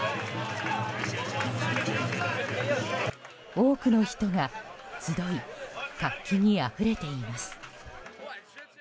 多くの人が集い活気にあふれています。